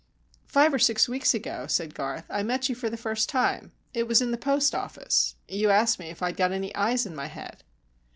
"Five or six weeks ago," said Garth, "I met you for the first time. It was in the post office. You asked me if I'd got any eyes in my head."